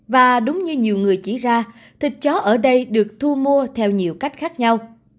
và đúng như nhiều người chỉ ra thịt chó ở đây được thu mua theo nhiều cách khác nhau